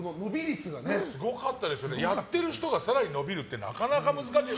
やってる人が更に伸びるっていうのはなかなか難しい。